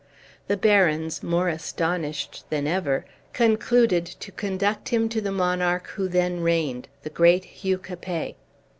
The barons, more astonished than ever, concluded to conduct him to the monarch who then reigned, the great Hugh Capet.